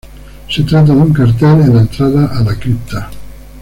Se trata de un cartel en la entrada a la cripta.